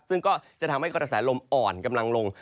ซึ่งก็จะทำให้กระแสลมอ่อนกำลังลง